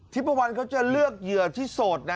ทิปวันเขาจะเลือกเหยื่อที่โดนสดนะ